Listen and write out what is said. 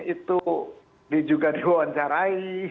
itu juga diwawancarai